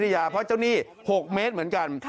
ยาเพราะเจ้าหนี้๖เมตรเหมือนกัน